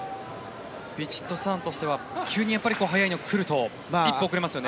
ヴィチットサーンとしては急に速いのが来ると１歩遅れますよね。